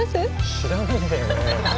知らないんだよね。